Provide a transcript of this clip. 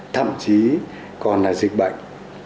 thậm chí còn là dịch bệnh